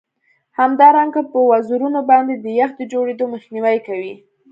همدارنګه په وزرونو باندې د یخ د جوړیدو مخنیوی کوي